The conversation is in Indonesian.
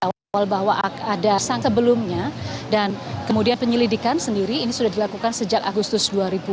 awal bahwa ada sang sebelumnya dan kemudian penyelidikan sendiri ini sudah dilakukan sejak agustus dua ribu dua puluh